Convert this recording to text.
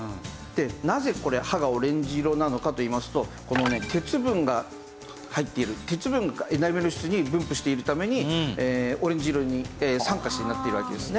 なぜこれ歯がオレンジ色なのかといいますとこのね鉄分が入っている鉄分がエナメル質に分布しているためにオレンジ色に酸化してなっているわけですね。